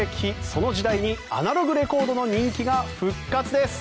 その時代にアナログレコードの人気が復活です。